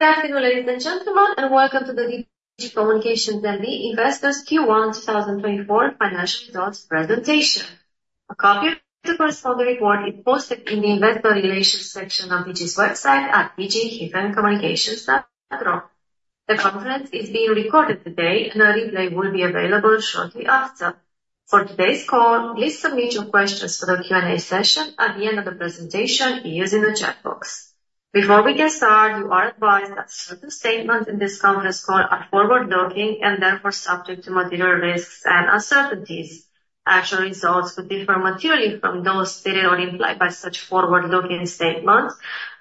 Good afternoon, ladies and gentlemen, and welcome to the Digi Communications N.V. Investors Q1 2024 Financial Results presentation. A copy of the press summary report is posted in the Investor Relations section of Digi's website at digi-communications.ro. The conference is being recorded today, and a replay will be available shortly after. For today's call, please submit your questions for the Q&A session at the end of the presentation using the chat box. Before we get started, you are advised that certain statements in this conference call are forward-looking and therefore subject to material risks and uncertainties. Actual results could differ materially from those stated or implied by such forward-looking statements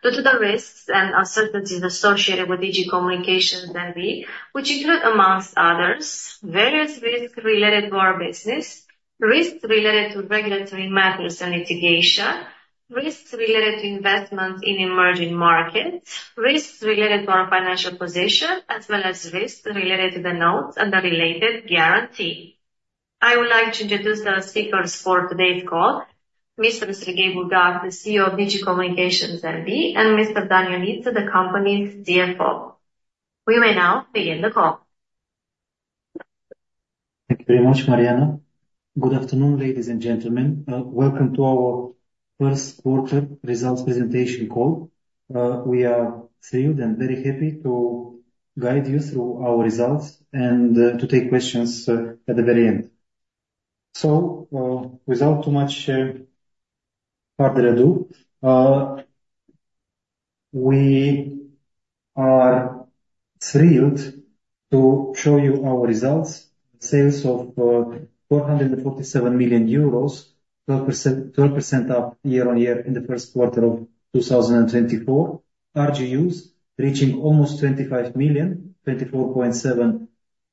due to the risks and uncertainties associated with Digi Communications N.V., which include, among others, various risks related to our business, risks related to regulatory matters and litigation, risks related to investments in emerging markets, risks related to our financial position, as well as risks related to the notes and the related guarantee. I would like to introduce the speakers for today's call. Mr. Serghei Bulgac, the CEO of Digi Communications N.V., and Mr. Dan Ioniță, the company's CFO. We may now begin the call. Thank you very much, Mariana. Good afternoon, ladies and gentlemen. Welcome to our first quarter results presentation call. We are thrilled and very happy to guide you through our results and to take questions at the very end. Without too much further ado, we are thrilled to show you our results. Sales of 447 million euros, 12% up year-on-year in the first quarter of 2024. RGUs reaching almost 25 million, 24.7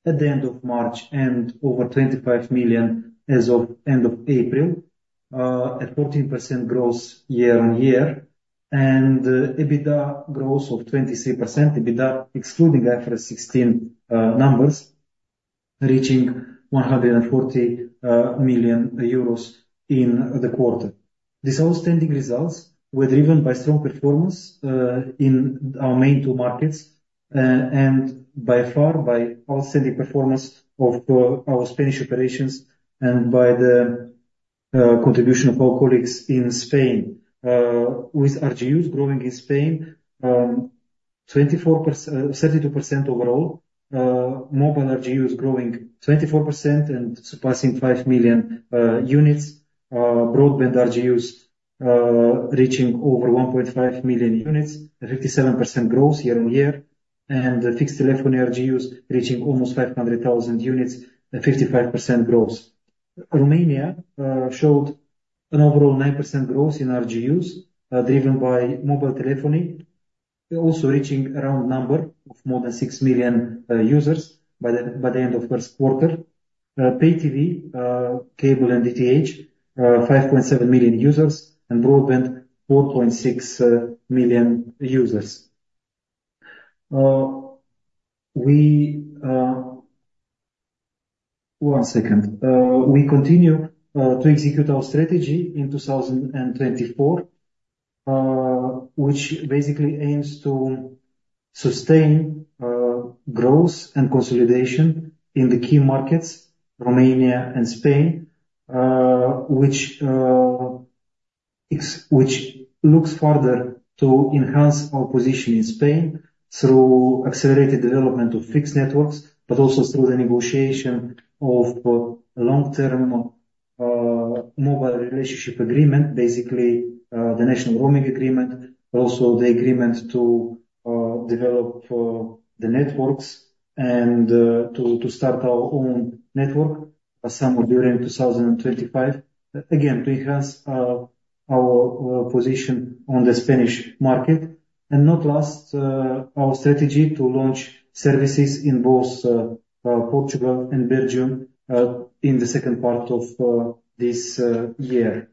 at the end of March, and over 25 million as of end of April, at 14% growth year-on-year, and EBITDA growth of 23%. EBITDA, excluding IFRS 16, numbers, reaching 140 million euros in the quarter. These outstanding results were driven by strong performance in our main two markets, and by far, by outstanding performance of our Spanish operations and by the contribution of our colleagues in Spain. With RGUs growing in Spain 32% overall, mobile RGUs growing 24% and surpassing 5 million units, broadband RGUs reaching over 1.5 million units at 57% growth year-on-year, and fixed telephony RGUs reaching almost 500,000 units at 55% growth. Romania showed an overall 9% growth in RGUs, driven by mobile telephony, also reaching around number of more than 6 million users by the end of first quarter. pay-TV, cable and DTH, 5.7 million users, and broadband, 4.6 million users. We... One second. We continue to execute our strategy in 2024, which basically aims to sustain growth and consolidation in the key markets, Romania and Spain, which looks further to enhance our position in Spain through accelerated development of fixed networks, but also through the negotiation of long-term mobile relationship agreement, basically the national roaming agreement, but also the agreement to develop the networks and to start our own network somewhere during 2025. Again, to enhance our position on the Spanish market, and not least, our strategy to launch services in both Portugal and Belgium in the second part of this year.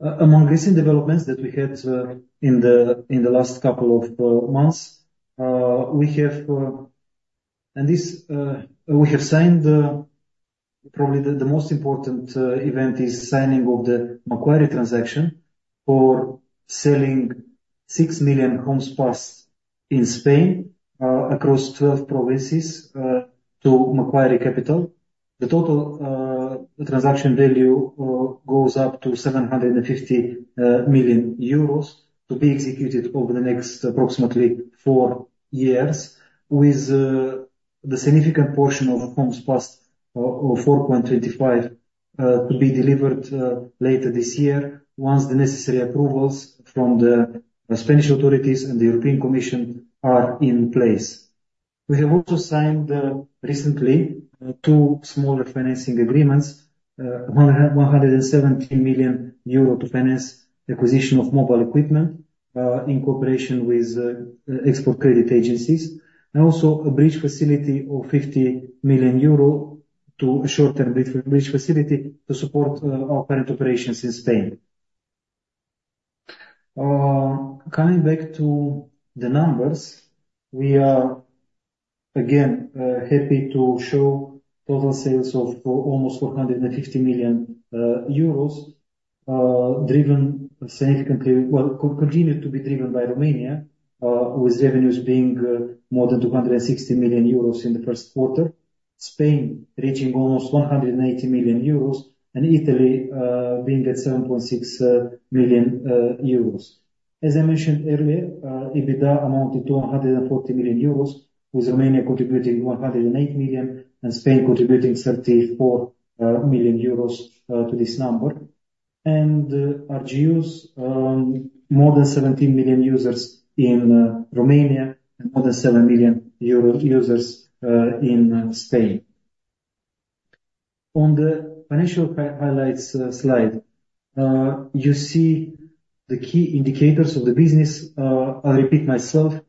Among recent developments that we had in the last couple of months, we have signed probably the most important event is signing of the Macquarie transaction for selling 6 million homes passed in Spain across 12 provinces to Macquarie Capital. The total transaction value goes up to 750 million euros, to be executed over the next approximately four years, with the significant portion of homes passed of 4.25 million to be delivered later this year, once the necessary approvals from the Spanish authorities and the European Commission are in place. We have also signed recently two smaller financing agreements, 170 million euro to finance acquisition of mobile equipment, in cooperation with export credit agencies, and also a bridge facility of 50 million euro to short-term bridge facility to support our current operations in Spain. Coming back to the numbers, we are again happy to show total sales of almost 450 million euros, driven significantly, well, continued to be driven by Romania, with revenues being more than 260 million euros in the first quarter. Spain reaching almost 180 million euros, and Italy being atEUR 7.6 million. As I mentioned earlier, EBITDA amounted to 140 million euros, with Romania contributing 108 million, and Spain contributing 34 million euros to this number. RGUs, more than 17 million users in Romania and more than 7 million users in Spain. On the financial highlights slide, you see the key indicators of the business. I'll repeat myself,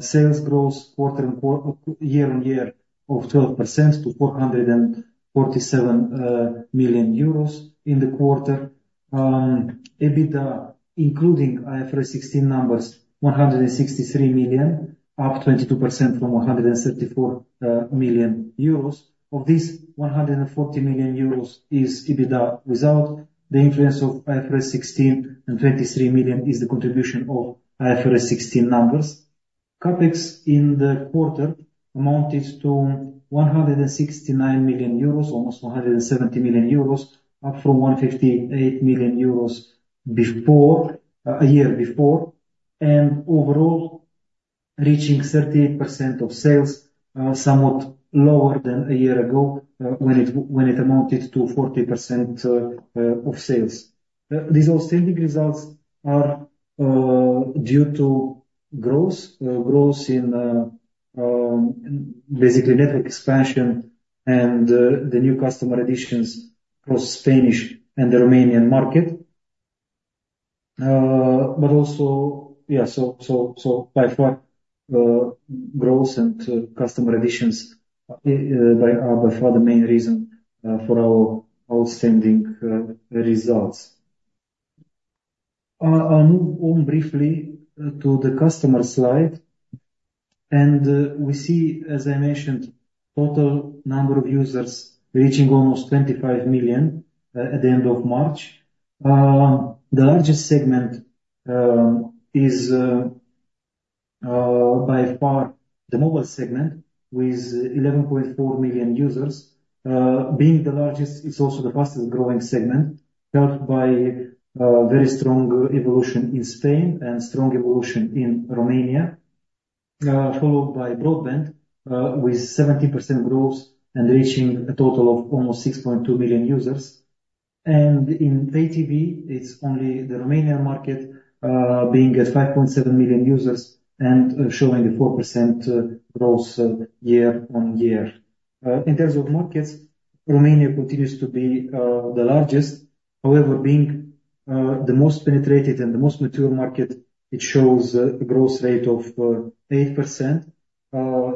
sales growth quarter-on-quarter and year-on-year of 12% to 447 million euros in the quarter. EBITDA, including IFRS 16 numbers, 163 million, up 22% from 134 million euros. Of this, 140 million euros is EBITDA without the influence of IFRS 16, and 23 million is the contribution of IFRS 16 numbers. CapEx in the quarter amounted to 169 million euros, almost 170 million euros, up from 158 million euros before, a year before, and overall reaching 38% of sales, somewhat lower than a year ago, when it amounted to 40% of sales. These outstanding results are due to growth in basically network expansion and the new customer additions across Spain and the Romanian market. But also, by far, growth and customer additions are by far the main reason for our outstanding results. I'll move on briefly to the customer slide. And we see, as I mentioned, total number of users reaching almost 25 million at the end of March. The largest segment is by far the mobile segment, with 11.4 million users. Being the largest, it's also the fastest growing segment, helped by very strong evolution in Spain and strong evolution in Romania. Followed by broadband, with 17% growth and reaching a total of almost 6.2 million users. And in pay-TV, it's only the Romanian market, being at 5.7 million users and showing a 4% growth year-over-year. In terms of markets, Romania continues to be the largest. However, being the most penetrated and the most mature market, it shows a growth rate of 8%.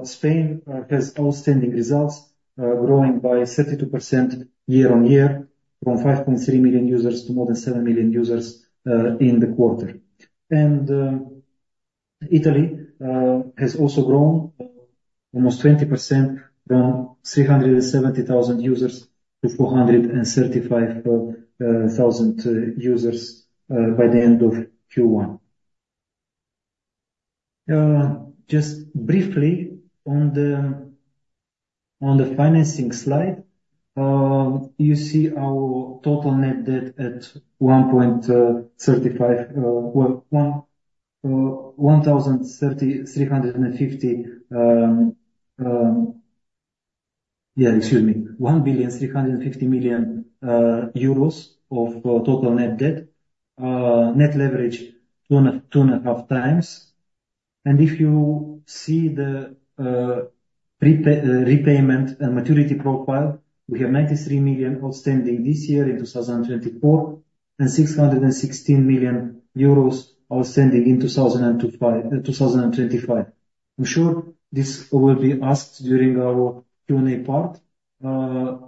Spain has outstanding results, growing by 32% year-on-year from 5.3 million users to more than 7 million users in the quarter. Italy has also grown almost 20%, from 370,000 users-435,000 users by the end of Q1. Just briefly on the financing slide, you see our total net debt. Yeah, excuse me, 1.35 billion of total net debt. Net leverage 2.5x. And if you see the prepayment and maturity profile, we have 93 million outstanding this year in 2024, and 616 million euros outstanding in 2025. I'm sure this will be asked during our Q&A part.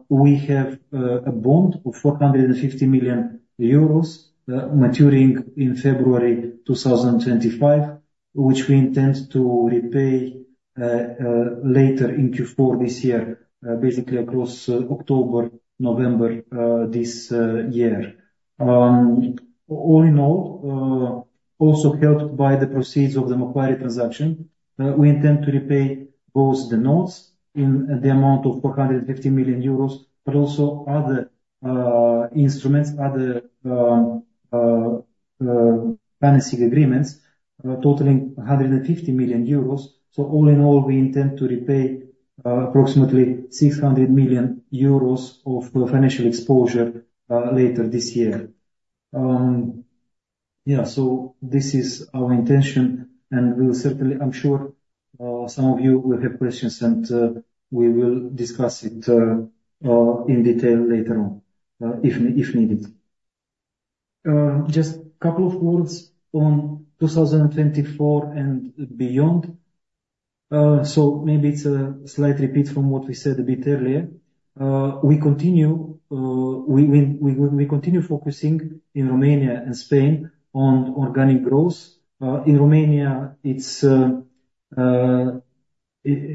We have a bond of 450 million euros maturing in February 2025, which we intend to repay later in Q4 this year, basically across October, November, this year. All in all, also helped by the proceeds of the Macquarie transaction, we intend to repay both the notes in the amount of EUR 450 million, but also other instruments, other financing agreements totaling 150 million euros. So all in all, we intend to repay approximately 600 million euros of financial exposure later this year. Yeah, so this is our intention, and we'll certainly—I'm sure some of you will have questions, and we will discuss it in detail later on, if needed. Just a couple of words on 2024 and beyond. So maybe it's a slight repeat from what we said a bit earlier. We continue focusing in Romania and Spain on organic growth. In Romania, it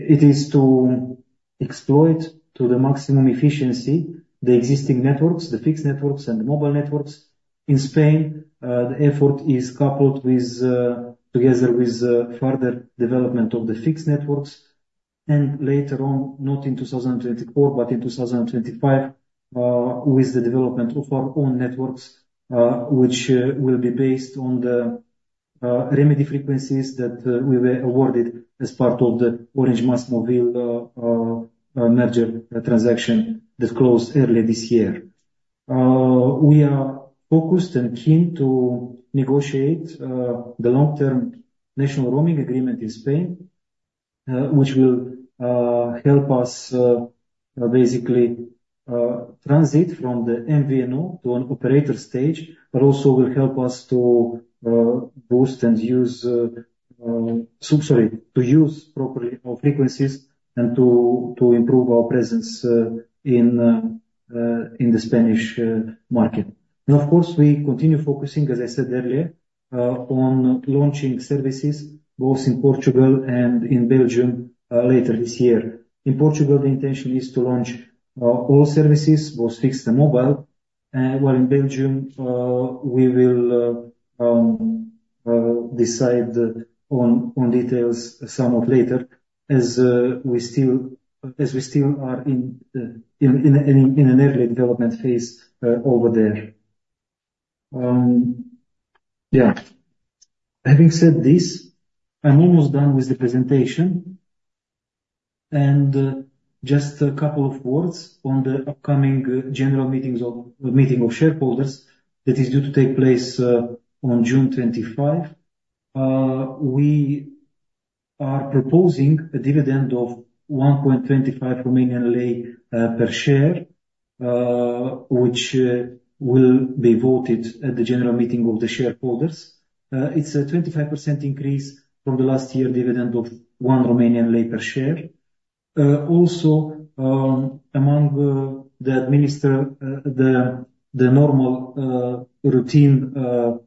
is to exploit to the maximum efficiency, the existing networks, the fixed networks, and the mobile networks. In Spain, the effort is coupled with together with further development of the fixed networks, and later on, not in 2024, but in 2025, with the development of our own networks, which will be based on the remedy frequencies that we were awarded as part of the Orange/MasMovil merger transaction that closed earlier this year. We are focused and keen to negotiate the long-term national roaming agreement in Spain, which will help us basically transit from the MVNO to an operator stage, but also will help us to boost and use sorry, to use properly our frequencies and to improve our presence in the Spanish market. Of course, we continue focusing, as I said earlier, on launching services both in Portugal and in Belgium, later this year. In Portugal, the intention is to launch all services, both fixed and mobile, while in Belgium, we will decide on details somewhat later, as we still are in an early development phase over there. Yeah, having said this, I'm almost done with the presentation, and just a couple of words on the upcoming general meeting of shareholders that is due to take place on June 25. We are proposing a dividend of RON 1.25 per share, which will be voted at the general meeting of the shareholders. It's a 25% increase from the last year's dividend of RON 1 per share. Also, among the administrative, the normal routine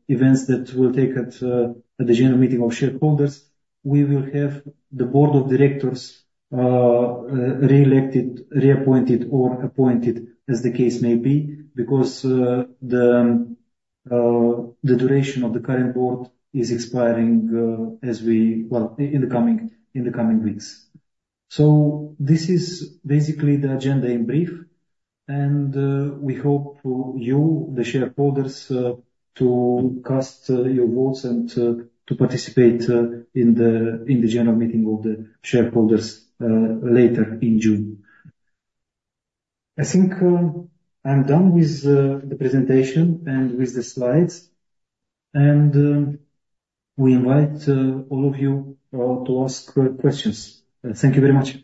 events that will take place at the general meeting of shareholders, we will have the board of directors reelected, reappointed, or appointed, as the case may be, because the duration of the current board is expiring, well, in the coming weeks. So this is basically the agenda in brief, and we hope you, the shareholders, to cast your votes and to participate in the general meeting of the shareholders later in June. I think I'm done with the presentation and with the slides, and we invite all of you to ask questions. Thank you very much.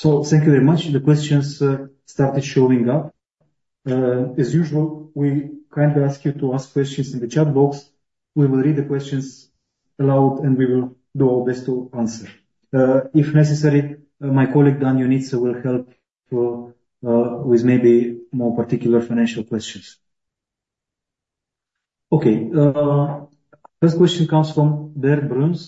So thank you very much. The questions started showing up. As usual, we kindly ask you to ask questions in the chat box. We will read the questions aloud, and we will do our best to answer. If necessary, my colleague, Dan Ioniță, will help to with maybe more particular financial questions. Okay, first question comes from Bert Bruns.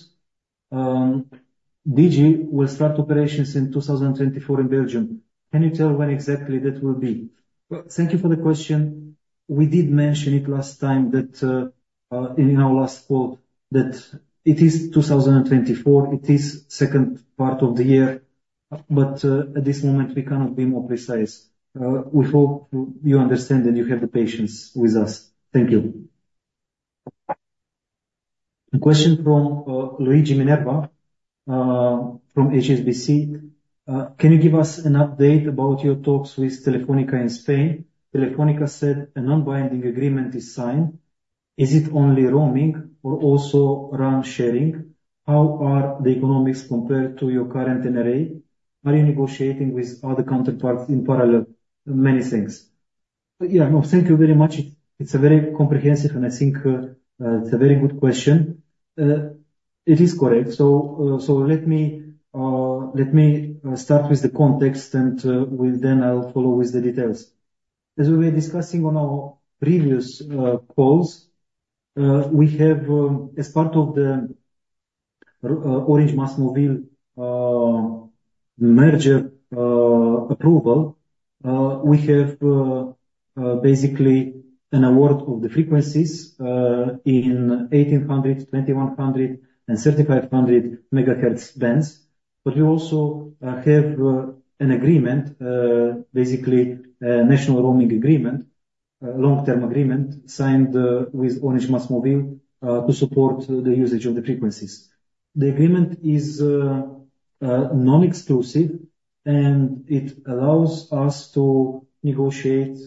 Digi will start operations in 2024 in Belgium. Can you tell when exactly that will be? Well, thank you for the question. We did mention it last time that in our last call, that it is 2024, it is second part of the year, but at this moment, we cannot be more precise. We hope you understand, and you have the patience with us. Thank you. A question from Luigi Minerva from HSBC. Can you give us an update about your talks with Telefónica in Spain? Telefónica said a non-binding agreement is signed. Is it only roaming or also RAN sharing? How are the economics compared to your current NRA? Are you negotiating with other counterparts in parallel? Many things. Yeah, no, thank you very much. It's a very comprehensive, and I think, it's a very good question. It is correct. So, let me start with the context, and, well, then I'll follow with the details. As we were discussing on our previous calls, we have, as part of the Orange/MasMovil merger approval, we have basically an award of the frequencies in 1,800 MHz, 2,100 MHz, and 3,500 MHz bands. But we also have an agreement, basically, a national roaming agreement, long-term agreement signed, with Orange/MasMovil, to support the usage of the frequencies. The agreement is non-exclusive, and it allows us to negotiate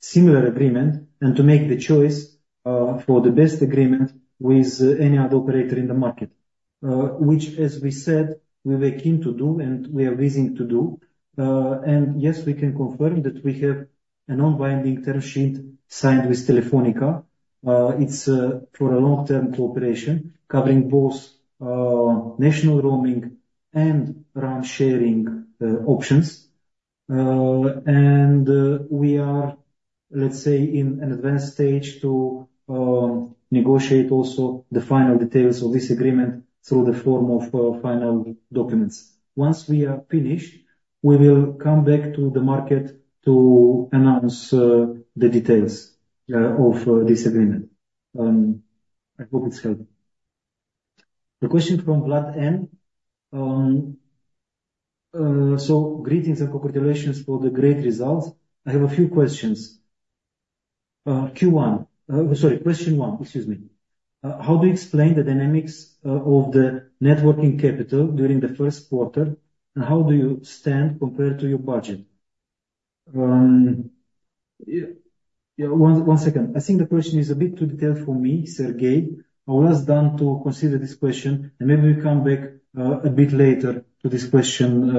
similar agreement and to make the choice for the best agreement with any other operator in the market, which, as we said, we were keen to do and we are wishing to do. And yes, we can confirm that we have a non-binding term sheet signed with Telefónica. It's for a long-term cooperation covering both national roaming and RAN sharing options. And we are, let's say, in an advanced stage to negotiate also the final details of this agreement through the form of final documents. Once we are finished, we will come back to the market to announce the details of this agreement. I hope it's helpful. The question from Vlad N. So greetings and congratulations for the great results. I have a few questions. Q1, sorry, question one, excuse me. How do you explain the dynamics of the net working capital during the first quarter, and how do you stand compared to your budget? Yeah, one second. I think the question is a bit too detailed for me, Serghei. I will ask Dan to consider this question, and maybe we come back a bit later to this question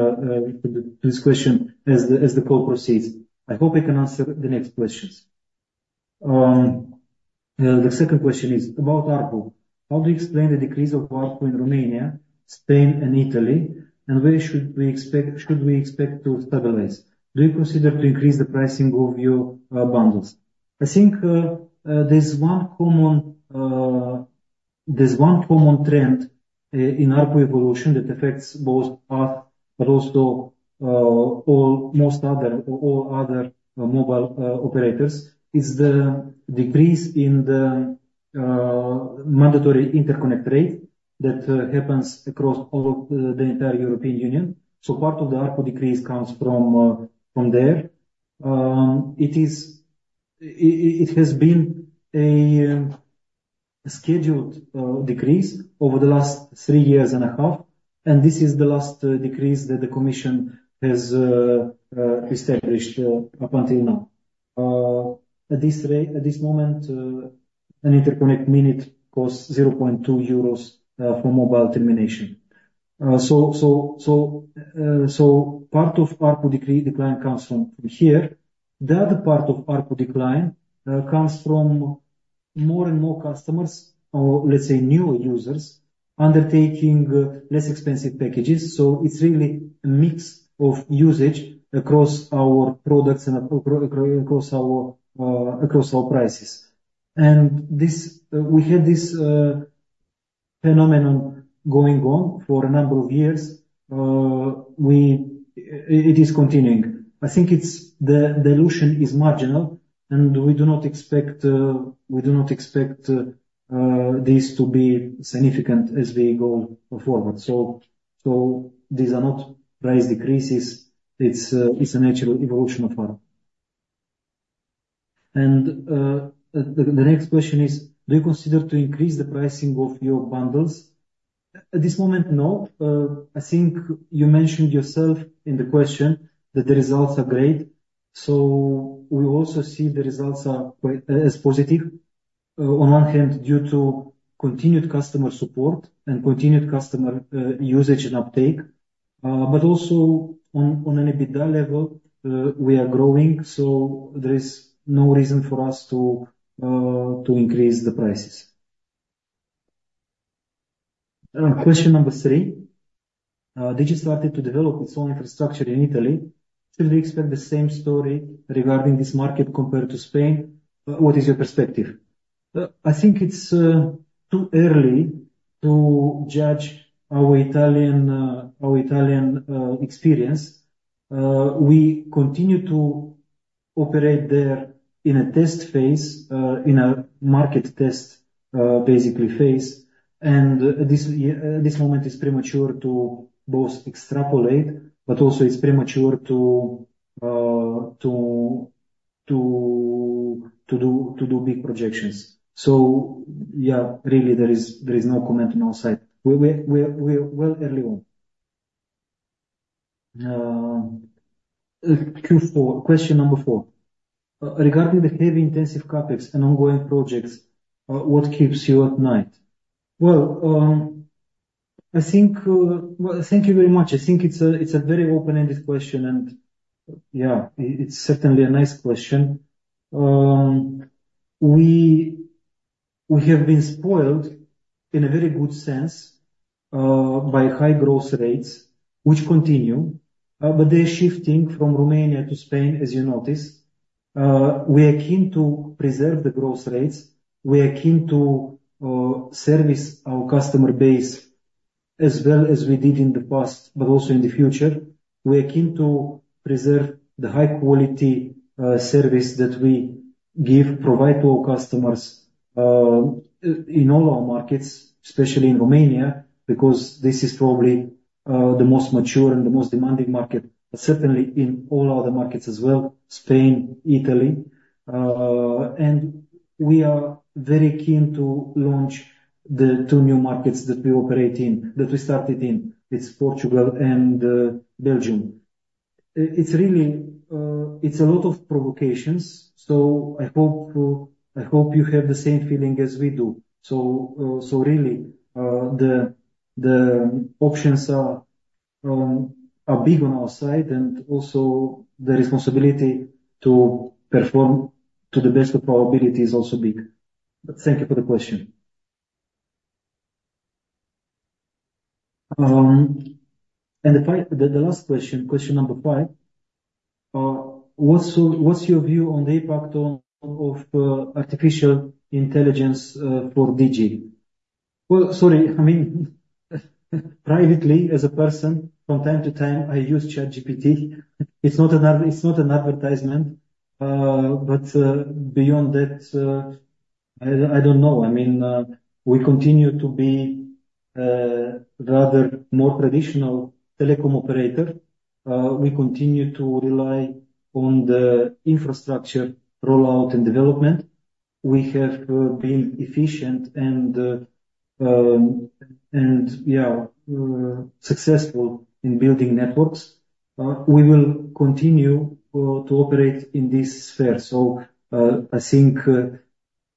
as the call proceeds. I hope he can answer the next questions. The second question is about ARPU. How do you explain the decrease of ARPU in Romania, Spain, and Italy, and where should we expect to stabilize? Do you consider to increase the pricing of your bundles? I think there's one common trend in ARPU evolution that affects both us, but also all most other, or all other mobile operators is the decrease in the mandatory interconnect rate that happens across all of the entire European Union. So part of the ARPU decrease comes from there. It is... it has been a scheduled decrease over the last three years and a half, and this is the last decrease that the commission has established up until now. At this rate, at this moment, an interconnect minute costs 0.2 euros for mobile termination. So part of ARPU decrease decline comes from here. The other part of ARPU decline comes from more and more customers, or let's say, new users, undertaking less expensive packages. So it's really a mix of usage across our products and across our prices. And this, we had this phenomenon going on for a number of years. It is continuing. I think it's, the dilution is marginal, and we do not expect this to be significant as we go forward. So these are not price decreases. It's a natural evolution of ARPU. The next question is: Do you consider to increase the pricing of your bundles? At this moment, no. I think you mentioned yourself in the question that the results are great, so we also see the results are quite as positive. On one hand, due to continued customer support and continued customer usage and uptake, but also on an EBITDA level, we are growing, so there is no reason for us to increase the prices. Question number three: Digi started to develop its own infrastructure in Italy. Do we expect the same story regarding this market compared to Spain? What is your perspective? I think it's too early to judge our Italian experience. We continue to operate there in a test phase, in a market test, basically, phase. And this moment is premature to both extrapolate, but also it's premature to do big projections. So yeah, really, there is no comment on our side. We are well early on. Question number four: Regarding the heavy, intensive CapEx and ongoing projects, what keeps you up at night? Well, I think... Well, thank you very much. I think it's a very open-ended question, and yeah, it's certainly a nice question. We have been spoiled in a very good sense, by high growth rates, which continue, but they're shifting from Romania to Spain, as you noticed. We are keen to preserve the growth rates. We are keen to service our customer base as well as we did in the past, but also in the future. We are keen to preserve the high-quality service that we provide to our customers in all our markets, especially in Romania, because this is probably the most mature and the most demanding market, but certainly in all other markets as well, Spain, Italy. We are very keen to launch the two new markets that we operate in, that we started in. It's Portugal and Belgium. It's really a lot of provocations, so I hope you have the same feeling as we do. So really the options are big on our side, and also the responsibility to perform to the best of our ability is also big. But thank you for the question. And the last question, question number five, what's your view on the impact of artificial intelligence for Digi? Well, sorry, I mean, privately, as a person, from time to time, I use ChatGPT. It's not an ad, it's not an advertisement, but beyond that, I don't know. I mean, we continue to be rather more traditional telecom operator. We continue to rely on the infrastructure rollout and development. We have been efficient and successful in building networks. We will continue to operate in this sphere. So, I think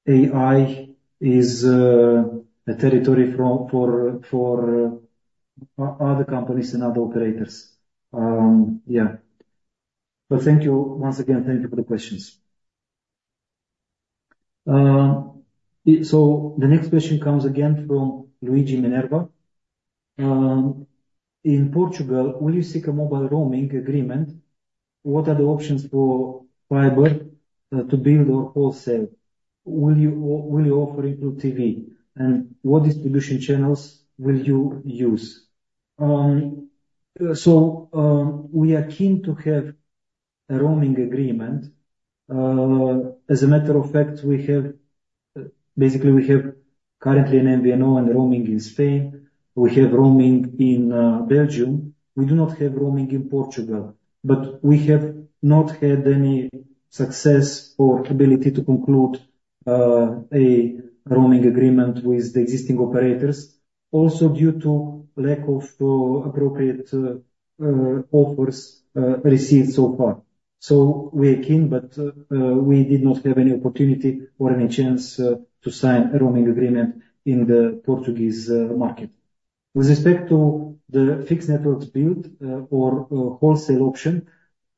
AI is a territory for other companies and other operators. Yeah, but thank you once again. Thank you for the questions. So the next question comes again from Luigi Minerva. In Portugal, will you seek a mobile roaming agreement? What are the options for fiber to build your wholesale? Will you offer it through TV? And what distribution channels will you use? So we are keen to have a roaming agreement. As a matter of fact, basically, we have currently an MVNO and roaming in Spain. We have roaming in Belgium. We do not have roaming in Portugal, but we have not had any success or ability to conclude a roaming agreement with the existing operators, also due to lack of appropriate offers received so far. So we are keen, but we did not have any opportunity or any chance to sign a roaming agreement in the Portuguese market. With respect to the fixed networks build or wholesale option,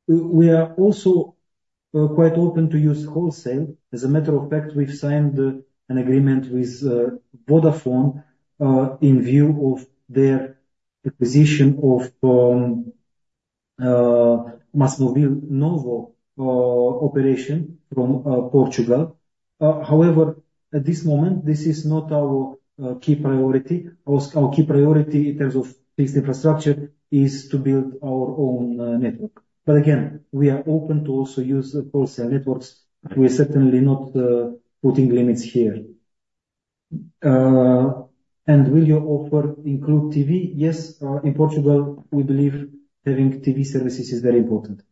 we are also quite open to use wholesale. As a matter of fact, we've signed an agreement with Vodafone in view of their acquisition of MasMovil operation from Portugal. However, at this moment, this is not our key priority. Our key priority in terms of fixed infrastructure is to build our own network. But again, we are open to also use wholesale networks. We're certainly not putting limits here. Will your offer include TV? Yes, in Portugal, we believe having TV services is very important.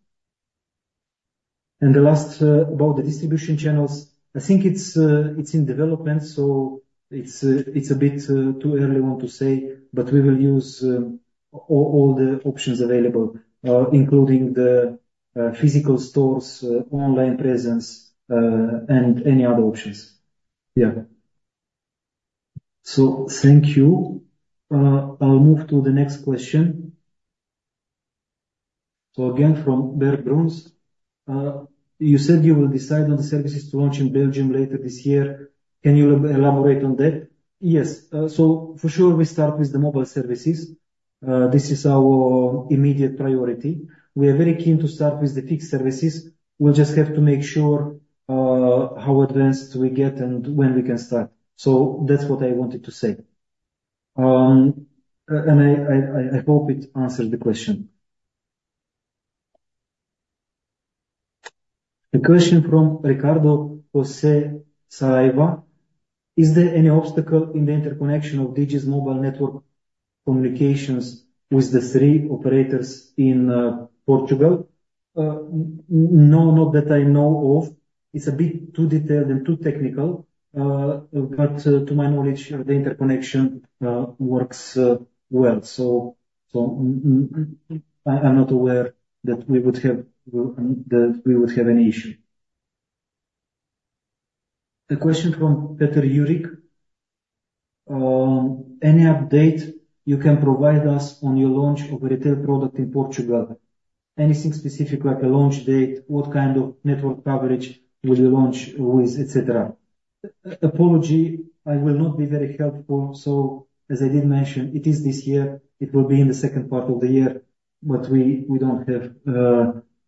The last about the distribution channels, I think it's in development, so it's a bit too early on to say, but we will use all the options available, including the physical stores, online presence, and any other options. Yeah. Thank you. I'll move to the next question. Again, from Bert Bruns: You said you will decide on the services to launch in Belgium later this year. Can you elaborate on that? Yes, so for sure, we start with the mobile services. This is our immediate priority. We are very keen to start with the fixed services. We'll just have to make sure how advanced we get and when we can start. That's what I wanted to say. I hope it answered the question. A question from Ricardo José Saraiva: Is there any obstacle in the interconnection of Digi's mobile network communications with the three operators in Portugal? No, not that I know of. It's a bit too detailed and too technical, but to my knowledge, the interconnection works well. So, I'm not aware that we would have that we would have an issue. A question from Peter Jurik. Any update you can provide us on your launch of a retail product in Portugal? Anything specific, like a launch date, what kind of network coverage will you launch with, et cetera? Apology, I will not be very helpful, so as I did mention, it is this year. It will be in the second part of the year, but we don't have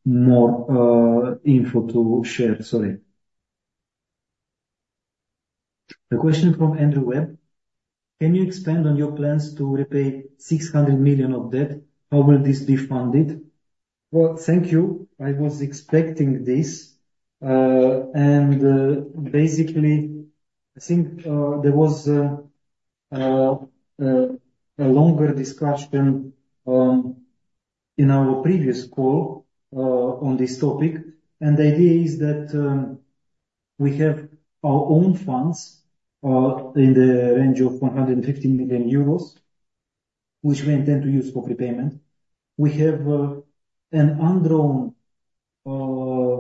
more info to share. A question from Andrew Webb: Can you expand on your plans to repay 600 million of debt? How will this be funded? Well, thank you. I was expecting this, and basically, I think there was a longer discussion in our previous call on this topic, and the idea is that we have our own funds in the range of 150 million euros, which we intend to use for prepayment. We have an undrawn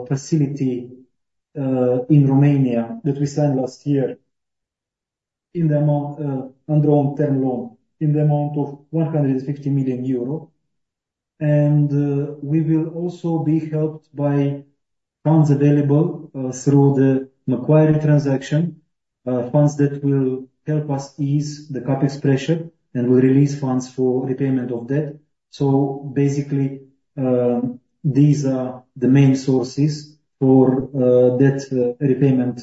facility in Romania that we signed last year in the amount undrawn term loan in the amount of 150 million euro. We will also be helped by funds available through the Macquarie transaction. Funds that will help us ease the CapEx pressure, and will release funds for repayment of debt. So basically, these are the main sources for debt repayment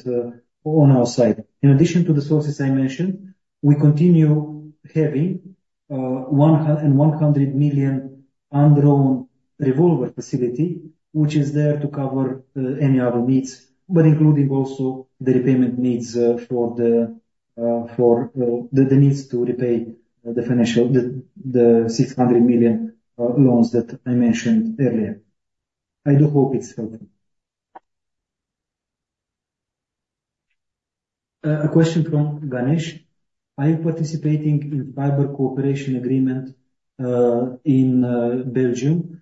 on our side. In addition to the sources I mentioned, we continue having 100 million undrawn revolver facility, which is there to cover any other needs, but including also the repayment needs for the needs to repay the financial, the 600 million loans that I mentioned earlier. I do hope it's helping. A question from Ganesh: Are you participating in fiber cooperation agreement in Belgium?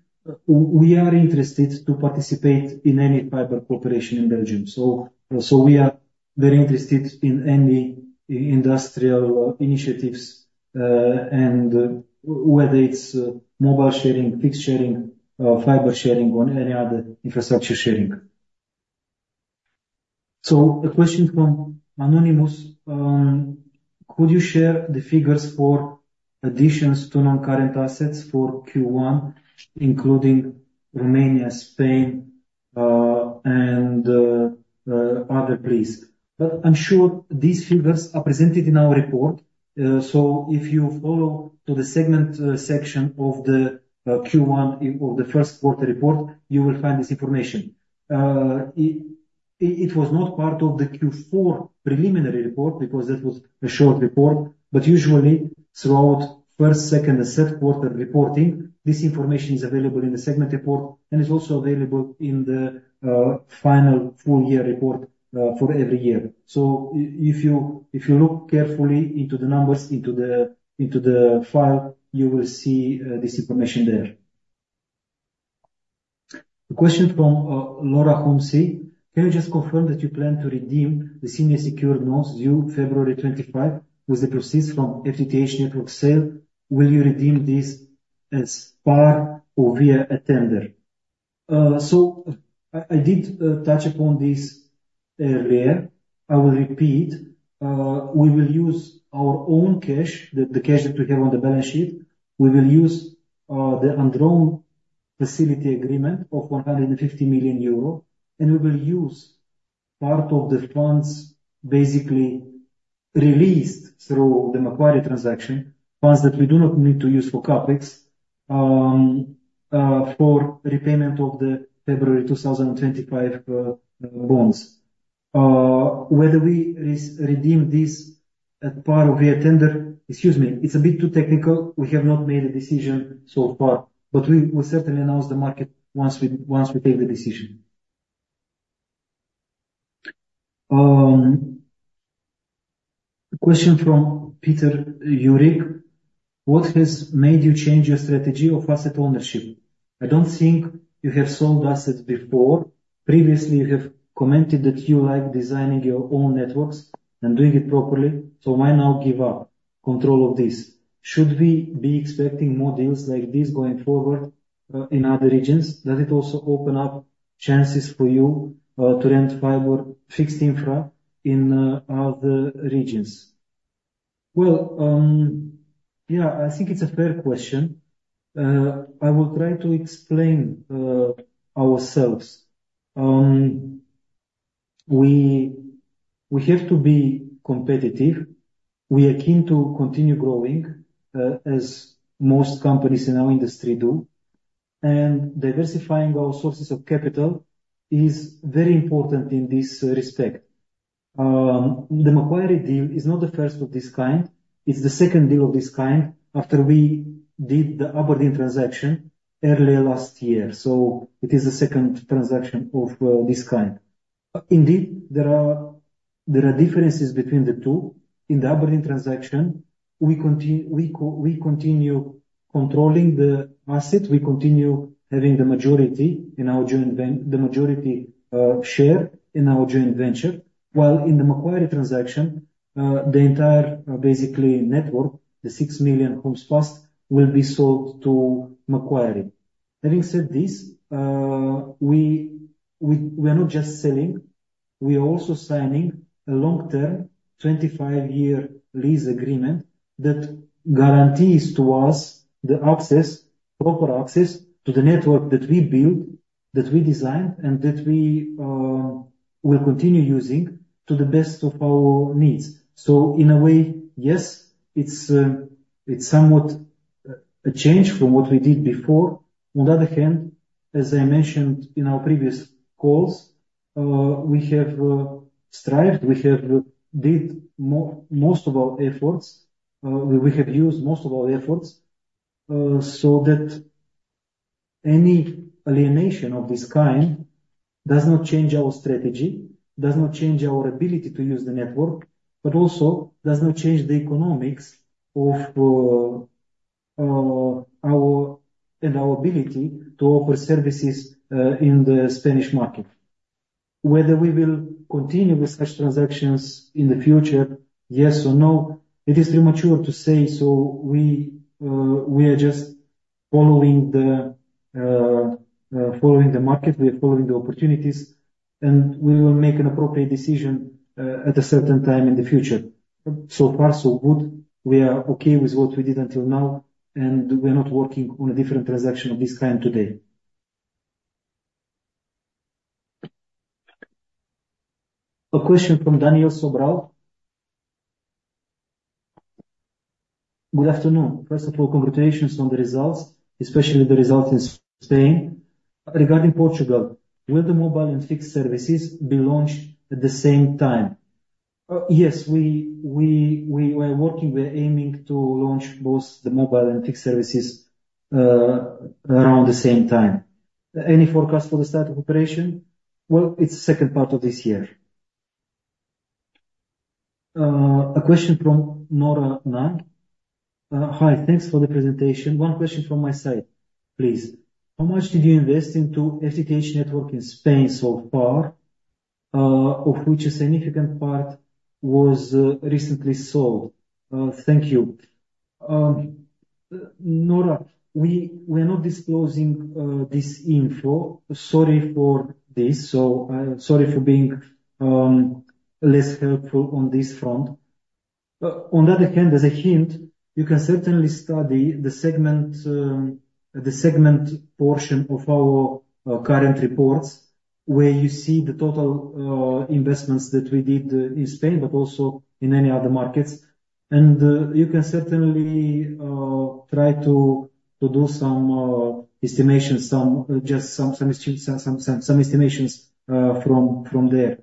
We are interested to participate in any fiber cooperation in Belgium. So we are very interested in any industrial initiatives, and whether it's mobile sharing, fixed sharing, fiber sharing, or any other infrastructure sharing. So a question from anonymous: Could you share the figures for additions to non-current assets for Q1, including Romania, Spain, and other, please? I'm sure these figures are presented in our report, so if you follow to the segment section of the Q1 or the first quarter report, you will find this information. It was not part of the Q4 preliminary report, because that was a short report, but usually throughout first, second, and third quarter reporting, this information is available in the segment report, and is also available in the final full year report for every year. So if you look carefully into the numbers, into the file, you will see this information there. A question from Laura Homsey: Can you just confirm that you plan to redeem the senior secured notes due February 25, with the proceeds from FTTH network sale? Will you redeem this as par or via a tender? So I did touch upon this earlier. I will repeat, we will use our own cash, the cash that we have on the balance sheet. We will use the undrawn facility agreement of 150 million euro, and we will use part of the funds basically released through the Macquarie transaction, funds that we do not need to use for CapEx, for repayment of the February 2025 bonds. Whether we redeem this as par or a tender, excuse me, it's a bit too technical. We have not made a decision so far, but we will certainly announce the market once we take the decision. A question from Peter Jurik: What has made you change your strategy of asset ownership? I don't think you have sold assets before. Previously, you have commented that you like designing your own networks and doing it properly, so why now give up control of this? Should we be expecting more deals like this going forward in other regions? Does it also open up chances for you to rent fiber fixed infra in other regions? Well, yeah, I think it's a fair question. I will try to explain ourselves. We have to be competitive. We are keen to continue growing, as most companies in our industry do, and diversifying our sources of capital is very important in this respect. The Macquarie deal is not the first of this kind. It's the second deal of this kind, after we did the Aberdeen transaction earlier last year, so it is the second transaction of this kind. Indeed, there are differences between the two. In the Aberdeen transaction, we continue controlling the asset. We continue having the majority share in our joint venture. While in the Macquarie transaction, the entire basically network, the 6 million homes passed, will be sold to Macquarie. Having said this, we are not just selling, we are also signing a long-term, 25-year lease agreement that guarantees to us the access, proper access to the network that we built that we designed and that we will continue using to the best of our needs. So in a way, yes, it's somewhat a change from what we did before. On the other hand, as I mentioned in our previous calls, we have strived, we have used most of our efforts, so that any alienation of this kind does not change our strategy, does not change our ability to use the network, but also does not change the economics of our and our ability to offer services in the Spanish market. Whether we will continue with such transactions in the future, yes or no, it is premature to say, so we are just following the market, we are following the opportunities, and we will make an appropriate decision at a certain time in the future. So far, so good. We are okay with what we did until now, and we are not working on a different transaction of this kind today. A question from Daniel Sobral. "Good afternoon. First of all, congratulations on the results, especially the results in Spain. Regarding Portugal, will the mobile and fixed services be launched at the same time?" Yes, we were working, we're aiming to launch both the mobile and fixed services around the same time. "Any forecast for the start of operation?" Well, it's second part of this year. A question from Nora Nang. "Hi, thanks for the presentation. One question from my side, please. How much did you invest into FTTH network in Spain so far, of which a significant part was, recently sold? Thank you." Nora, we are not disclosing this info. Sorry for this. So, sorry for being less helpful on this front. On the other hand, as a hint, you can certainly study the segment, the segment portion of our current reports, where you see the total investments that we did in Spain, but also in any other markets. And you can certainly try to do some estimations from there.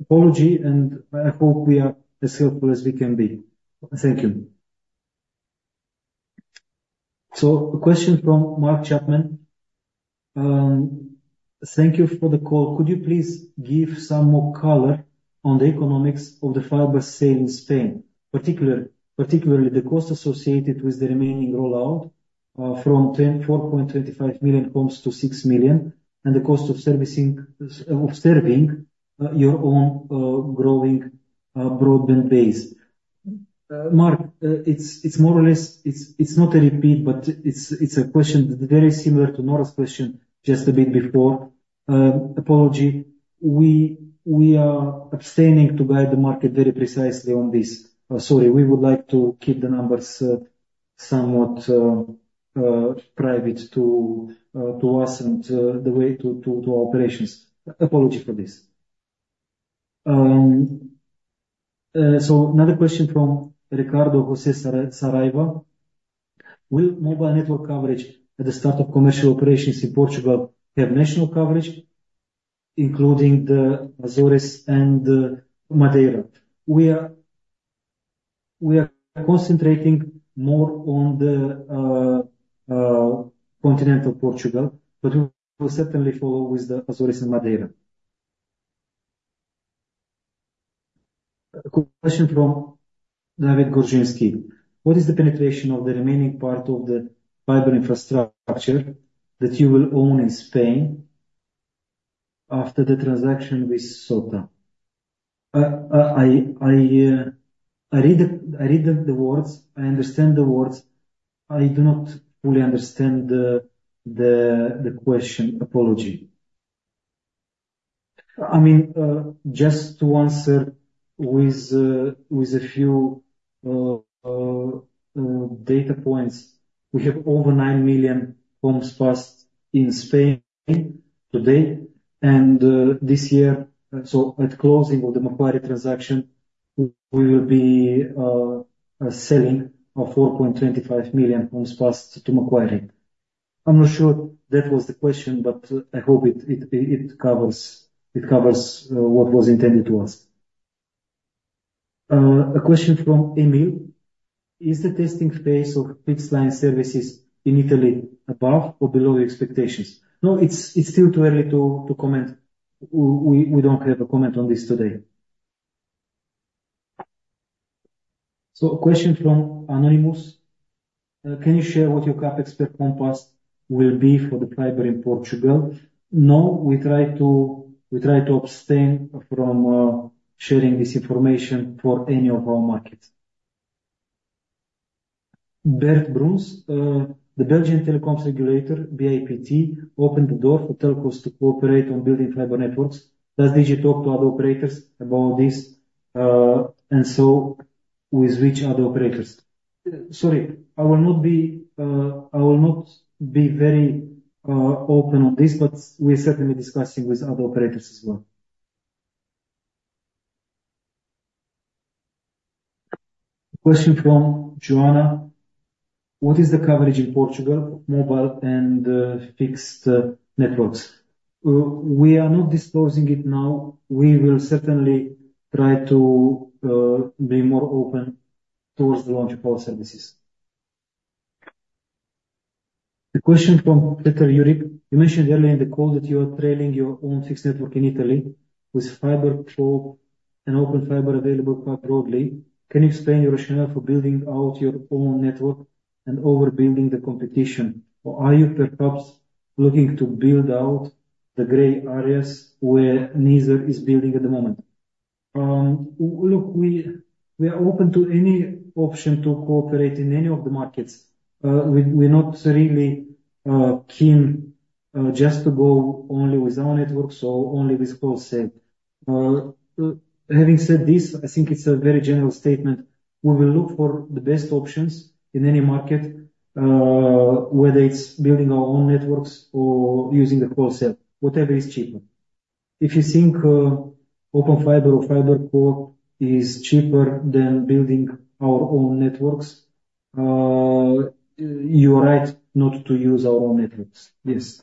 Apology, and I hope we are as helpful as we can be. Thank you. So a question from Mark Chapman. "Thank you for the call. Could you please give some more color on the economics of the fiber sale in Spain, particularly the cost associated with the remaining rollout from 10.425 million homes to 6 million, and the cost of servicing your own growing broadband base?" Mark, it's more or less not a repeat, but it's a question very similar to Nora's question just a bit before. Apology. We are abstaining to guide the market very precisely on this. Sorry, we would like to keep the numbers somewhat private to us, and the way to our operations. Apology for this. So another question from Ricardo José Saraiva: "Will mobile network coverage at the start of commercial operations in Portugal have national coverage, including the Azores and Madeira?" We are concentrating more on the continental Portugal, but we will certainly follow with the Azores and Madeira. A question from David Gorzynski: "What is the penetration of the remaining part of the fiber infrastructure that you will own in Spain after the transaction with Sota?" I read the words, I understand the words. I do not fully understand the question. Apology. I mean, just to answer with a few data points, we have over 9 million homes passed in Spain today, and this year, so at closing of the Macquarie transaction, we will be selling of 4.25 million homes passed to Macquarie. I'm not sure that was the question, but I hope it covers what was intended to us. A question from Emil: "Is the testing phase of fixed line services in Italy above or below expectations?" No, it's still too early to comment. We don't have a comment on this today. So a question from Anonymous: "Can you share what your CapEx per connection will be for the fiber in Portugal?" No, we try to, we try to abstain from sharing this information for any of our markets. Bert Bruns: "The Belgian telecoms regulator, BIPT, opened the door for telcos to cooperate on building fiber networks. Does Digi talk to other operators about this?" With which other operators? Sorry, I will not be very open on this, but we are certainly discussing with other operators as well. Question from Joanna: What is the coverage in Portugal, mobile and fixed networks? We are not disclosing it now. We will certainly try to be more open towards the launch of our services. A question from Peter Jurik. You mentioned earlier in the call that you are trailing your own fixed network in Italy with fiber for an Open Fiber available quite broadly. Can you explain your rationale for building out your own network and overbuilding the competition? Or are you perhaps looking to build out the gray areas where neither is building at the moment? Look, we are open to any option to cooperate in any of the markets. We're not really keen just to go only with our network, so only with wholesale. Having said this, I think it's a very general statement. We will look for the best options in any market, whether it's building our own networks or using the wholesale, whatever is cheaper. If you think Open Fiber or FiberCop is cheaper than building our own networks, you are right not to use our own networks. Yes.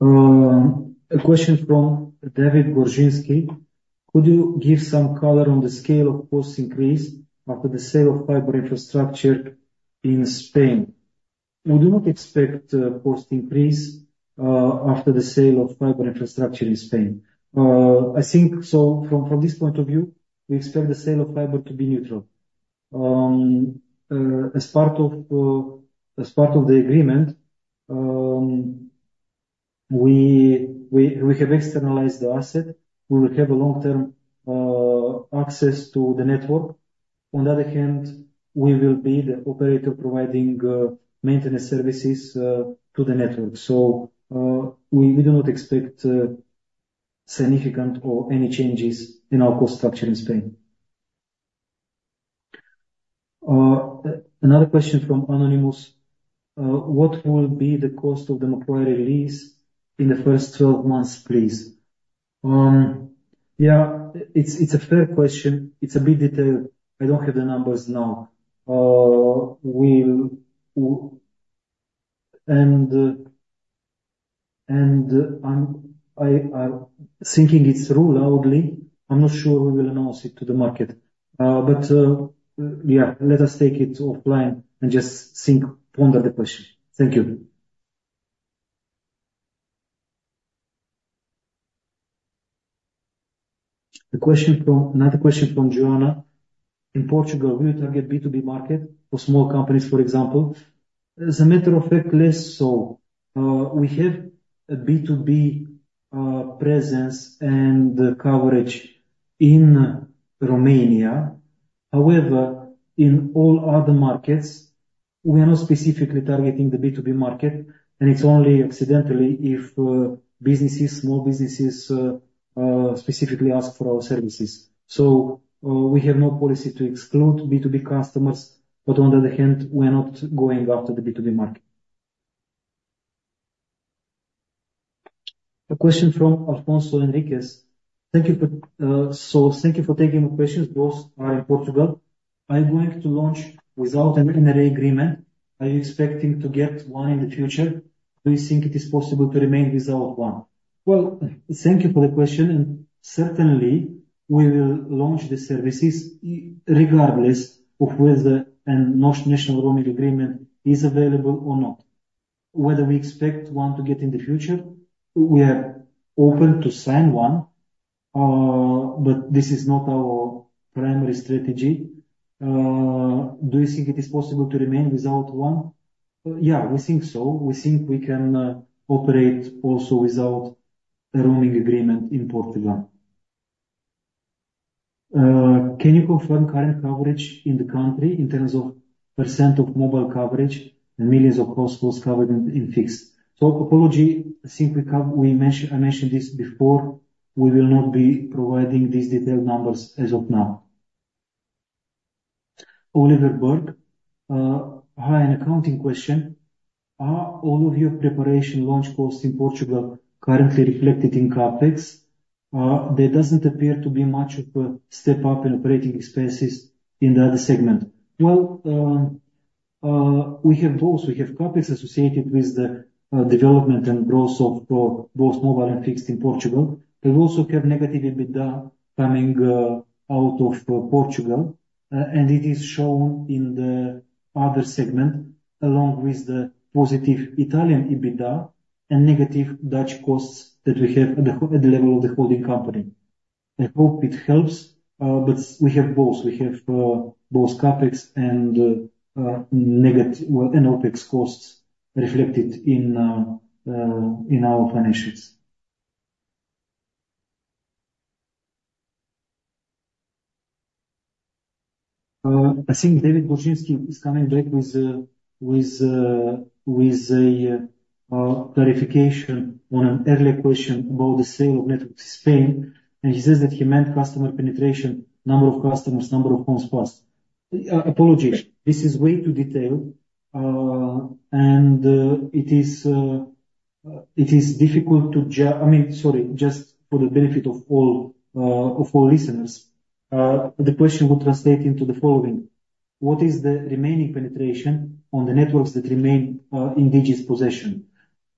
A question from David Gorzynski. Could you give some color on the scale of cost increase after the sale of fiber infrastructure in Spain? We do not expect cost increase after the sale of fiber infrastructure in Spain. I think so from this point of view, we expect the sale of fiber to be neutral. As part of the agreement, we have externalized the asset. We will have a long-term access to the network. On the other hand, we will be the operator providing maintenance services to the network. So, we do not expect significant or any changes in our cost structure in Spain. Another question from anonymous. What will be the cost of the Macquarie release in the first 12 months, please? Yeah, it's a fair question. It's a bit detailed. I don't have the numbers now. We'll and I'm thinking it through loudly. I'm not sure we will announce it to the market. But yeah, let us take it offline and just think, ponder the question. Thank you. Another question from Joanna. In Portugal, will you target B2B market or small companies, for example? As a matter of fact, less so. We have a B2B presence and coverage in Romania. However, in all other markets, we are not specifically targeting the B2B market, and it's only accidentally if businesses, small businesses, specifically ask for our services. So, we have no policy to exclude B2B customers, but on the other hand, we are not going after the B2B market. A question from Alfonso Enriquez. Thank you, but so thank you for taking the questions, both are in Portugal. Are you going to launch without an NRA agreement? Are you expecting to get one in the future? Do you think it is possible to remain without one? Well, thank you for the question, and certainly, we will launch the services regardless of whether an national roaming agreement is available or not. Whether we expect one to get in the future, we are open to sign one, but this is not our primary strategy. Do you think it is possible to remain without one? Yeah, we think so. We think we can operate also without a roaming agreement in Portugal. Can you confirm current coverage in the country in terms of percent of mobile coverage and millions of households covered in fixed? So, apology, I think we covered, we mentioned. I mentioned this before. We will not be providing these detailed numbers as of now. Olivier Bernhard. Hi, an accounting question. Are all of your preparation launch costs in Portugal currently reflected in CapEx? There doesn't appear to be much of a step up in operating expenses in the other segment. Well, we have both. We have CapEx associated with the development and growth of both mobile and fixed in Portugal. We also have negative EBITDA coming out of Portugal, and it is shown in the other segment, along with the positive Italian EBITDA and negative Dutch costs that we have at the level of the holding company. I hope it helps, but we have both. We have both CapEx and OpEx costs reflected in our financials. I think David Gorzynski is coming back with a clarification on an earlier question about the sale of networks in Spain, and he says that he meant customer penetration, number of customers, number of homes passed. Apologies. This is way too detailed, and it is difficult to—I mean, sorry, just for the benefit of all listeners, the question would translate into the following: What is the remaining penetration on the networks that remain in Digi's possession?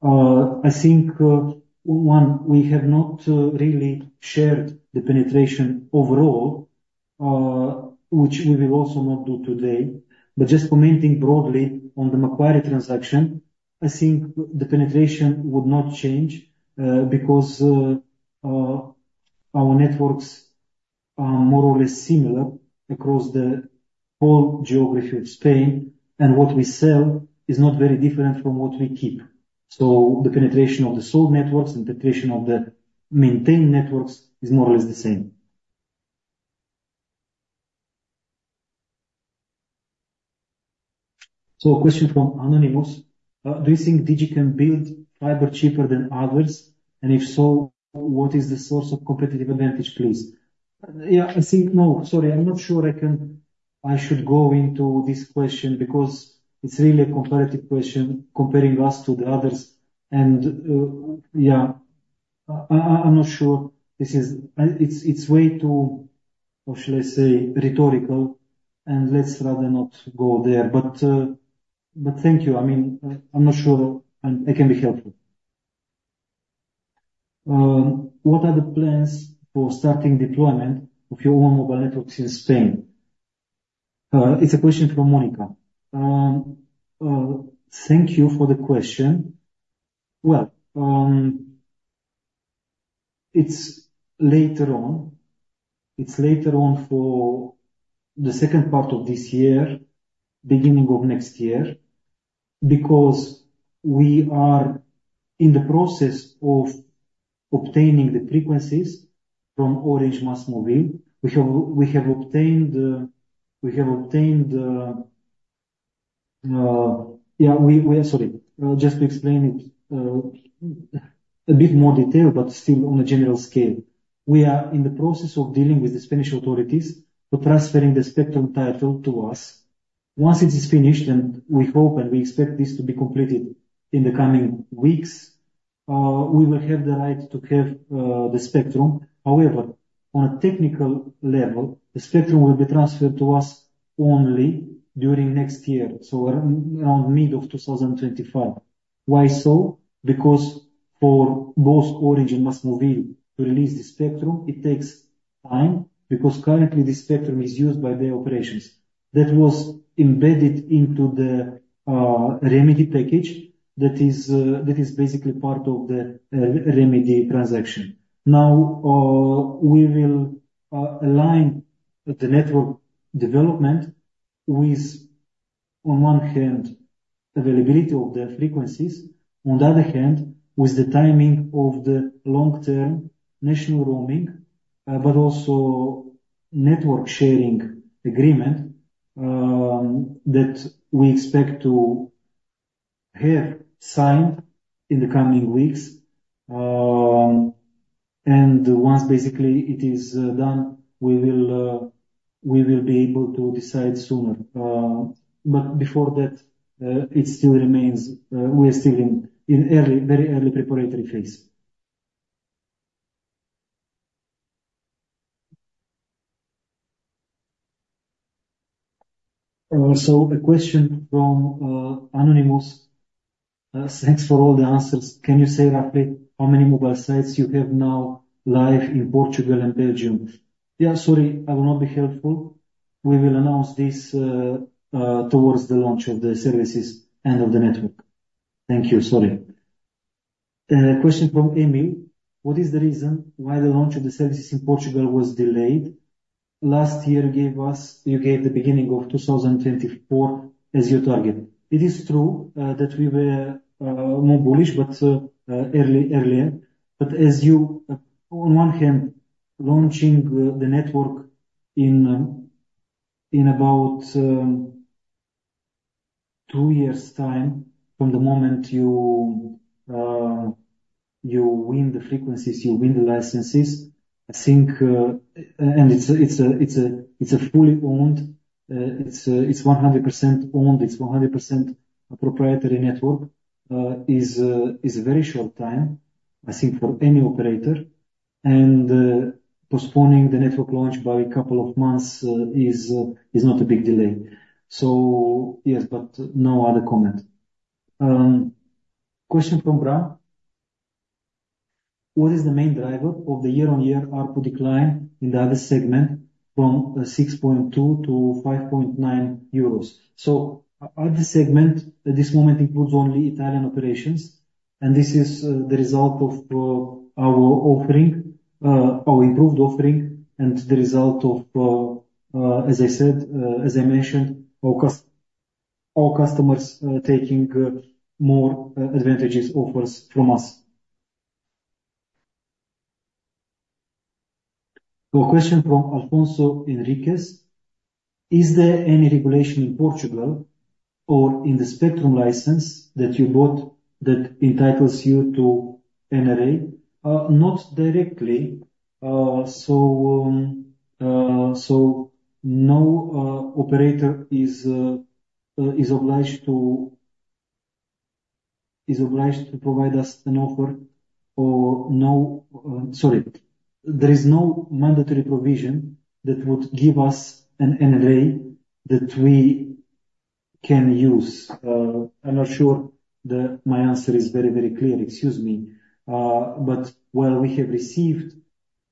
I think, one, we have not really shared the penetration overall, which we will also not do today. But just commenting broadly on the Macquarie transaction, I think the penetration would not change, because our networks are more or less similar across the whole geography of Spain, and what we sell is not very different from what we keep. So the penetration of the sold networks and penetration of the maintained networks is more or less the same. So a question from anonymous: Do you think Digi can build fiber cheaper than others? And if so, what is the source of competitive advantage, please? Yeah, I think no, sorry, I'm not sure I can. I should go into this question because it's really a comparative question, comparing us to the others, and, yeah, I, I'm not sure this is. It's way too, or shall I say, rhetorical, and let's rather not go there. But, but thank you. I mean, I'm not sure I can be helpful. What are the plans for starting deployment of your own mobile networks in Spain? It's a question from Monica. Thank you for the question. Well, it's later on, it's later on for the second part of this year, beginning of next year, because we are in the process of obtaining the frequencies from Orange/MasMovil. We have obtained. Yeah, sorry, just to explain it a bit more detail, but still on a general scale. We are in the process of dealing with the Spanish authorities for transferring the spectrum title to us. Once it is finished, and we hope, and we expect this to be completed in the coming weeks, we will have the right to have the spectrum. However, on a technical level, the spectrum will be transferred to us only during next year, so around mid of 2025. Why so? Because for both Orange and MasMovil to release the spectrum, it takes time, because currently, the spectrum is used by the operations. That was embedded into the remedy package that is basically part of the remedy transaction. Now, we will align the network development with, on one hand, availability of the frequencies, on the other hand, with the timing of the long-term national roaming, but also network sharing agreement, that we expect to have signed in the coming weeks. And once basically it is done, we will be able to decide sooner. But before that, it still remains, we are still in early, very early preparatory phase. So a question from anonymous. Thanks for all the answers. Can you say roughly how many mobile sites you have now live in Portugal and Belgium? Yeah, sorry, I will not be helpful. We will announce this towards the launch of the services and of the network. Thank you. Sorry. Question from Emil: What is the reason why the launch of the services in Portugal was delayed? Last year gave us, you gave the beginning of 2024 as your target. It is true that we were more bullish, but early, earlier. But as you on one hand, launching the network in about 2 years' time from the moment you win the frequencies, you win the licenses, I think, and it's a fully owned, it's 100% owned, it's 100% proprietary network, is a very short time, I think, for any operator. And postponing the network launch by a couple of months is not a big delay. So yes, but no other comment. Question from Gra: What is the main driver of the year-on-year ARPU decline in the other segment from 6.2-5.9 euros? So at the segment, at this moment, it includes only Italian operations, and this is the result of our offering, our improved offering, and the result of, as I said, as I mentioned, our customers taking more advantages offers from us. So a question from Alfonso Enriquez: Is there any regulation in Portugal or in the spectrum license that you bought that entitles you to NRA? Not directly. So no operator is obliged to provide us an offer or no. Sorry, there is no mandatory provision that would give us an NRA that we can use. I'm not sure that my answer is very, very clear, excuse me. But while we have received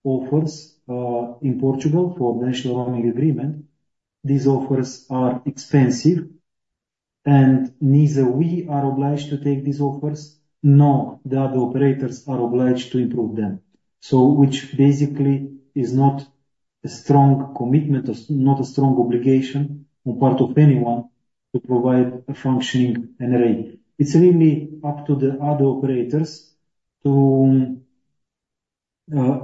offers in Portugal for national roaming agreement, these offers are expensive, and neither we are obliged to take these offers, nor the other operators are obliged to improve them. So which basically is not a strong commitment, is not a strong obligation on part of anyone to provide a functioning NRA. It's really up to the other operators to,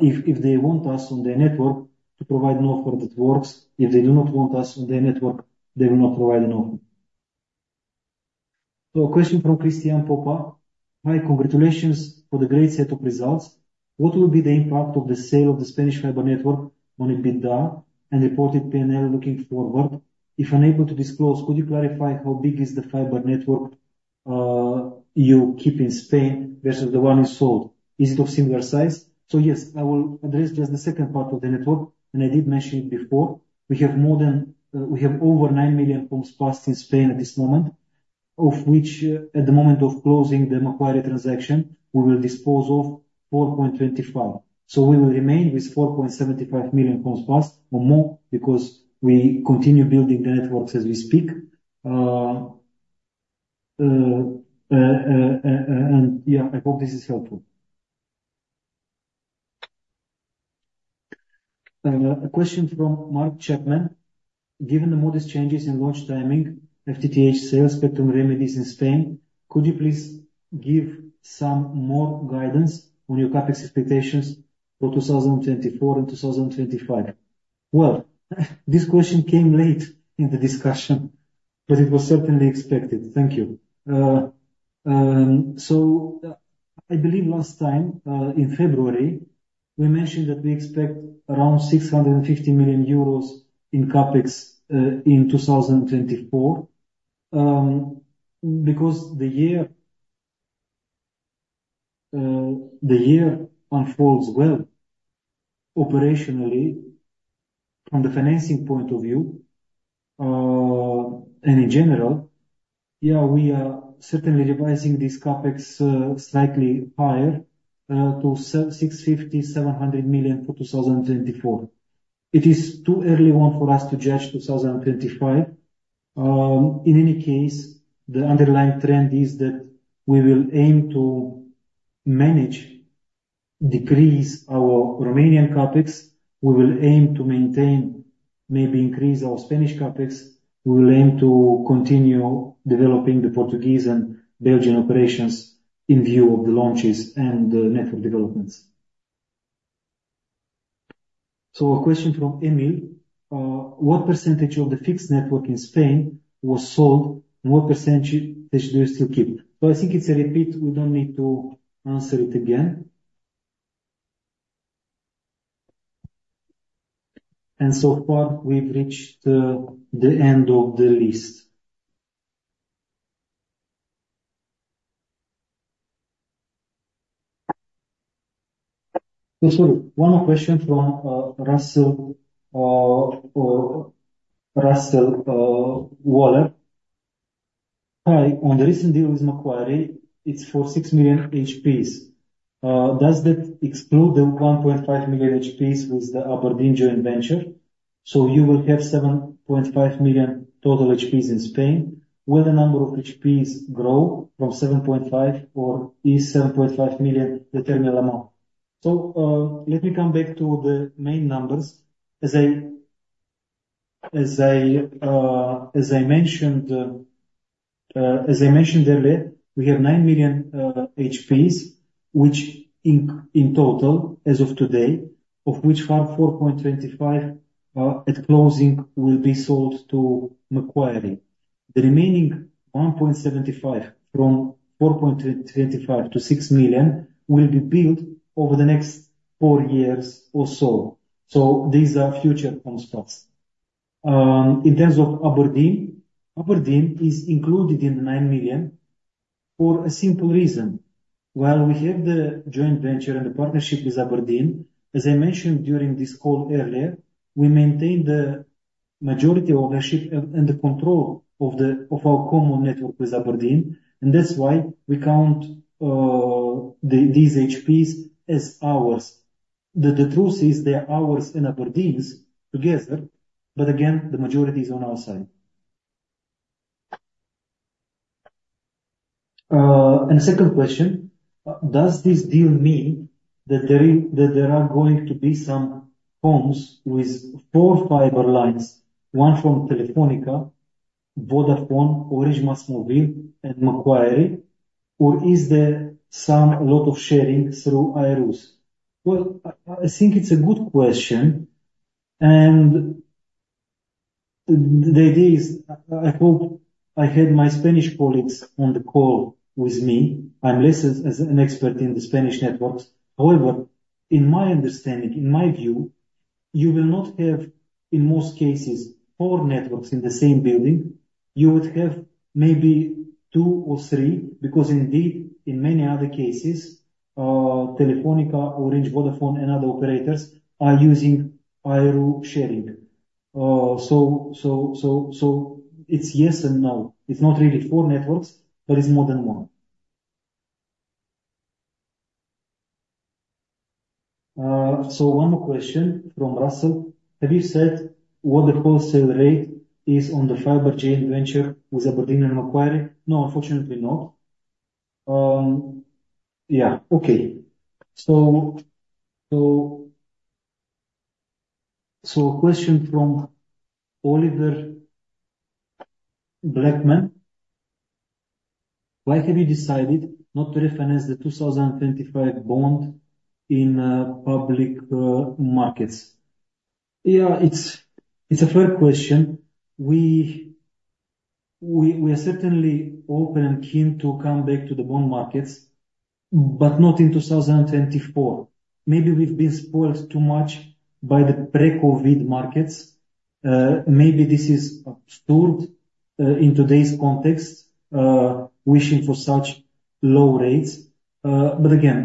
if they want us on their network, to provide an offer that works. If they do not want us on their network, they will not provide an offer. So a question from Christian Popa. Hi, congratulations for the great set of results. What will be the impact of the sale of the Spanish fiber network on EBITDA and reported P&L looking forward? If unable to disclose, could you clarify how big is the fiber network you keep in Spain versus the one you sold? Is it of similar size? So yes, I will address just the second part of the network, and I did mention it before. We have more than we have over 9 million homes passed in Spain at this moment, of which at the moment of closing the Macquarie transaction, we will dispose of 4.25 million. So we will remain with 4.75 million homes passed or more, because we continue building the networks as we speak. And yeah, I hope this is helpful. A question from Mark Chapman. Given the modest changes in launch timing, FTTH sales, spectrum remedies in Spain, could you please give some more guidance on your CapEx expectations for 2024 and 2025? Well, this question came late in the discussion, but it was certainly expected. Thank you. So I believe last time, in February, we mentioned that we expect around 650 million euros in CapEx, in 2024. Because the year unfolds well operationally from the financing point of view, and in general, yeah, we are certainly revising this CapEx, slightly higher, to 650 million-700 million for 2024. It is too early for us to judge 2025. In any case, the underlying trend is that we will aim to manage, decrease our Romanian CapEx. We will aim to maintain, maybe increase our Spanish CapEx. We will aim to continue developing the Portuguese and Belgian operations in view of the launches and the network developments. So a question from Emil. What percentage of the fixed network in Spain was sold, and what percentage do you still keep? So I think it's a repeat. We don't need to answer it again. And so far, we've reached the end of the list. Okay, sorry, one more question from Russell Waller. Hi, on the recent deal with Macquarie, it's for 6 million HPs. Does that exclude the 1.5 million HPs with the Aberdeen joint venture? So you will have 7.5 million total HPs in Spain, will the number of HPs grow from 7.5, or is 7.5 million the terminal amount? Let me come back to the main numbers. As I mentioned earlier, we have 9 million HPs, which in total, as of today, of which 4.25 million at closing, will be sold to Macquarie. The remaining 1.75 million from 4.25 million to 6 million will be built over the next four years or so. These are future home spots. In terms of Aberdeen, Aberdeen is included in the 9 million for a simple reason. While we have the joint venture and the partnership with Aberdeen, as I mentioned during this call earlier, we maintain the majority ownership and the control of our common network with Aberdeen, and that's why we count these HPs as ours. The truth is, they are ours and Aberdeen's together, but again, the majority is on our side. And second question: Does this deal mean that there are going to be some homes with four fiber lines, one from Telefónica, Vodafone, Orange, MasMovil, and Macquarie, or is there a lot of sharing through IRUs? Well, I think it's a good question, and the idea is, I hope I had my Spanish colleagues on the call with me. I'm less of an expert in the Spanish networks. However, in my understanding, in my view, you will not have, in most cases, four networks in the same building. You would have maybe two or three, because indeed, in many other cases, Telefónica, Orange, Vodafone, and other operators are using IRU sharing. It's yes and no. It's not really four networks, but it's more than one. One more question from Russell: Have you said what the wholesale rate is on the fiber joint venture with Aberdeen and Macquarie? No, unfortunately not. Yeah. Okay. Question from Oliver Blackman: Why have you decided not to refinance the 2025 bond in public markets? Yeah, it's a fair question. We are certainly open and keen to come back to the bond markets, but not in 2024. Maybe we've been spoiled too much by the pre-COVID markets. Maybe this is absurd in today's context wishing for such low rates. But again,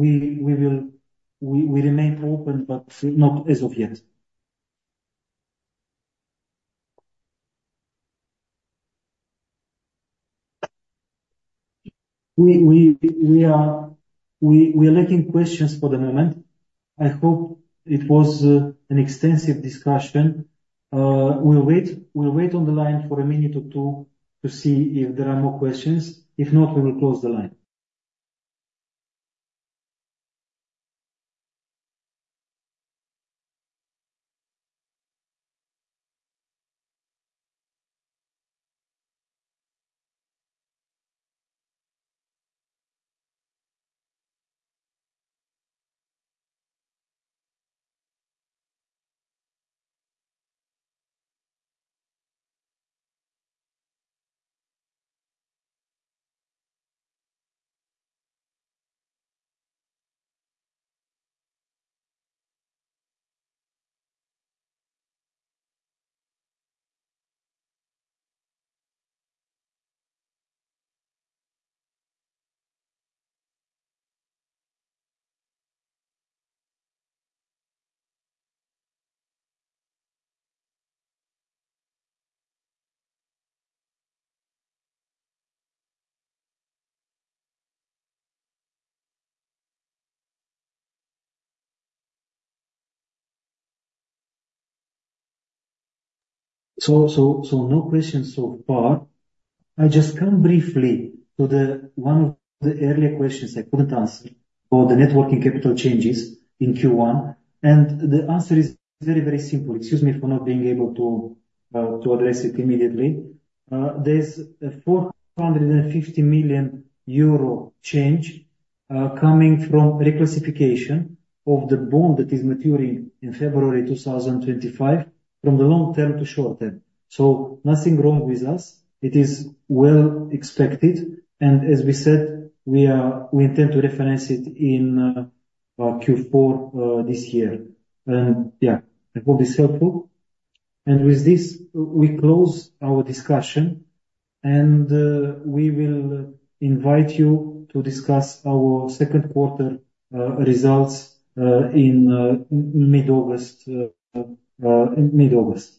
we remain open, but not as of yet. We are lacking questions for the moment. I hope it was an extensive discussion. We'll wait on the line for a minute or two to see if there are more questions. If not, we will close the line. So no questions so far. I'll just come briefly to one of the earlier questions I couldn't answer for the net working capital changes in Q1, and the answer is very, very simple. Excuse me for not being able to address it immediately. There's a 450 million euro change, coming from reclassification of the bond that is maturing in February 2025, from the long term to short term. So nothing wrong with us, it is well expected, and as we said, we intend to refinance it in Q4 this year. Yeah, I hope this helpful. With this, we close our discussion, and we will invite you to discuss our second quarter results in mid-August.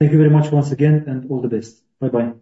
Thank you very much once again, and all the best. Bye-bye.